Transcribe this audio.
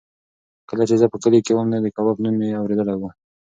کله چې زه په کلي کې وم نو د کباب نوم مې اورېدلی و.